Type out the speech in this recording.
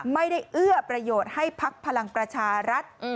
เอื้อประโยชน์ให้พักพลังประชารัฐ